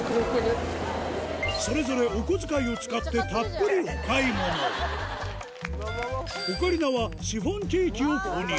それぞれお小遣いを使ってたっぷりお買い物オカリナはシフォンケーキを購入